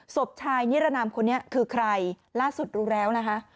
ศพชายนิรนามคนนี้คือใครล่าสุดรู้แล้วนะคะ